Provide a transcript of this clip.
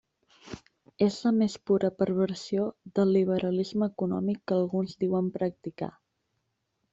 És la més pura perversió del liberalisme econòmic que alguns diuen practicar.